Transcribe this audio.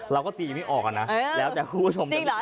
เราก็ตีไม่ออกอะนะแล้วแต่คู่ชมจะดิสดาล